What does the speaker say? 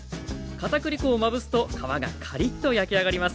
かたくり粉をまぶすと皮がカリッと焼き上がります。